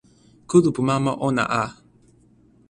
kulupu mama ona a.